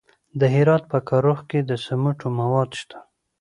د هرات په کرخ کې د سمنټو مواد شته.